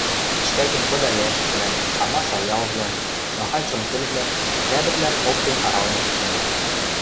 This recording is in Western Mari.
Тиштӓкен пыда йӓшӹквлӓм, амаса ялвлӓм, махань-шон кӹлвлӓм, хӓдӹрвлӓм оптен арален шӹндӹмӹ.